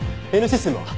Ｎシステムは？